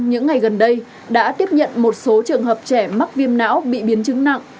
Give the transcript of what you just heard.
những ngày gần đây đã tiếp nhận một số trường hợp trẻ mắc viêm não bị biến chứng nặng